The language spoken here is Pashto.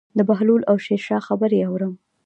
د بهلول او شیرشاه خبرې اورم.